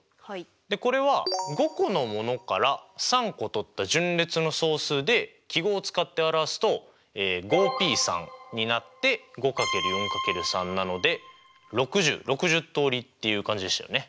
でこれは５個のものから３個とった順列の総数で記号を使って表すとＰになって６０通りっていう感じでしたよね。